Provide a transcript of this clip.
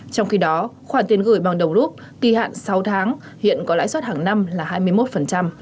trong khi đó khoản tiền gửi bằng đồng rút kỳ hạn sáu tháng hiện có lãi suất hàng năm là hai mươi một